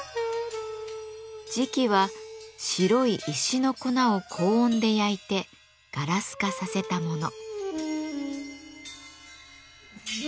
磁器は白い石の粉を高温で焼いてガラス化させたもの。